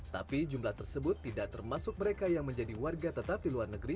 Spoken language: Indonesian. tapi jumlah tersebut tidak termasuk mereka yang menjadi warga tetap di luar negeri